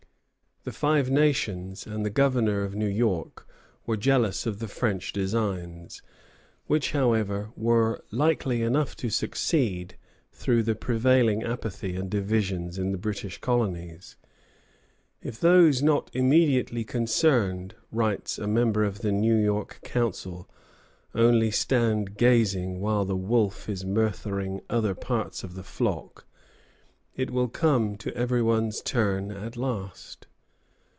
The Five Nations and the Governor of New York were jealous of the French designs, which, however, were likely enough to succeed, through the prevailing apathy and divisions in the British colonies. "If those not immediately concerned," writes a member of the New York council, "only stand gazing on while the wolff is murthering other parts of the flock, it will come to every one's turn at last."